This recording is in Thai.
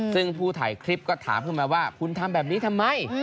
ซึ่งผู้ถ่ายคลิปก็ถามขึ้นมาว่าคุณทำแบบนี้ทำไม